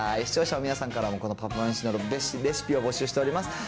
視聴者の皆さんからも、このパパめしでのレシピを募集しております。